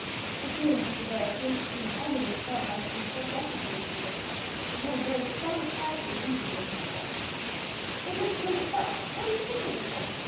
"The tutor, Mr. Blair, appears to be in every way qualified to do full justice to his pupils; I had a very satisfactory interview with him at S ." "But Myst Court itself, what do you think of the place?"